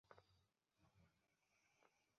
Perumal, inspector in charge.